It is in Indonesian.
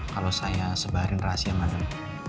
kalo saya sebarin rahasia madam